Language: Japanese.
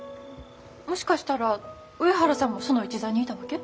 もしかしたら上原さんもその一座にいたわけ？